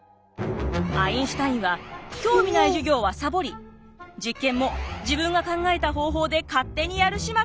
アインシュタインは興味ない授業はサボり実験も自分が考えた方法で勝手にやる始末。